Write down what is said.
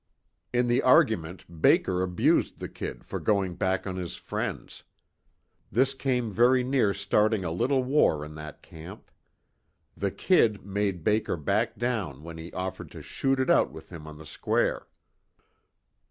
In the argument, Baker abused the "Kid" for going back on his friends. This came very near starting a little war in that camp. The "Kid" made Baker back down when he offered to shoot it out with him on the square.